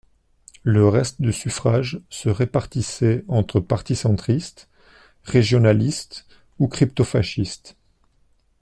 Le reste de suffrages se répartissaient entre partis centristes, régionalistes ou crypto-fascistes.